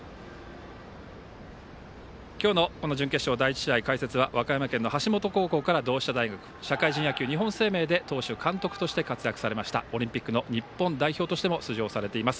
今日の準決勝第１試合、解説は和歌山県の橋本高校から同志社大学社会人野球日本生命で当初、監督として活躍されましたオリンピックの日本代表としても出場されています